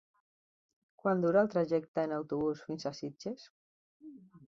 Quant dura el trajecte en autobús fins a Sitges?